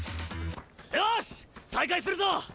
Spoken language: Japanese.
よし再開するぞ！